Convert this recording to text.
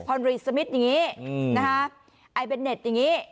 รีสมิทอย่างนี้นะคะไอเบนเน็ตอย่างนี้